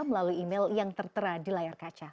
melalui email yang tertera di layar kaca